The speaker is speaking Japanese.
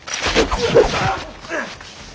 うっ！